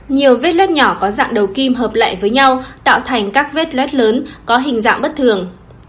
nhiều vết lốt nhỏ có dạng đầu kim hợp lại với nhau tạo thành các vết luet lớn có hình dạng bất thường